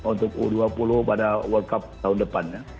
untuk u dua puluh pada world cup tahun depannya